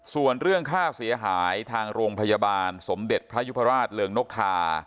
ส่วนเรื่องค่าเสียหายทางโรงพยาบาลสมเด็จพระยุพราชเริงนกทา